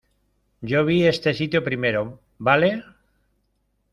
yo vi este sitio primero, ¿ vale?